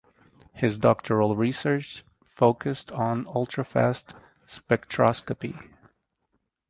His doctoral research focussed on ultrafast spectroscopy.